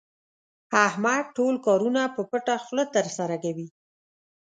احمد ټول کارونه په پټه خوله ترسره کوي.